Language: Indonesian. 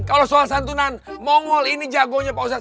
kalau soal santunan mongol ini jagonya pausat